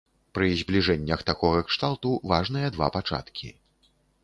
Пры збліжэннях такога кшталту важныя два пачаткі.